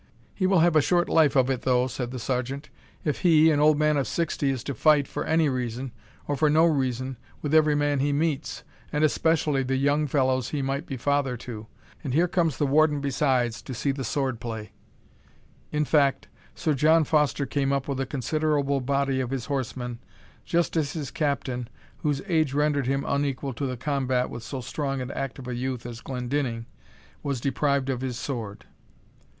"He will have a short life of it, though," said the sergeant, "if he, an old man of sixty, is to fight, for any reason, or for no reason, with every man he meets, and especially the young fellows he might be father to. And here comes the Warden besides to see the sword play." In fact, Sir John Foster came up with a considerable body of his horsemen, just as his Captain, whose age rendered him unequal to the combat with so strong and active a youth as Glendinning, was deprived of his sword.